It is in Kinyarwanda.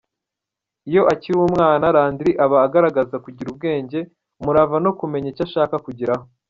Iyo akiri umwana, Landry aba agaragaza kugira ubwenge, umurava no kumenya icyo ashaka kugeraho.